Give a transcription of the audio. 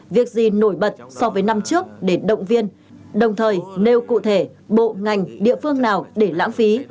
việc gì nổi bật so với năm trước để động viên đồng thời nêu cụ thể bộ ngành địa phương nào để lãng phí